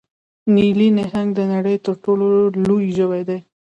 نیلي نهنګ د نړۍ تر ټولو لوی ژوی دی